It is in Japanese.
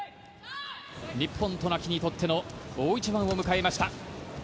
日本、渡名喜にとっての大一番を迎えました。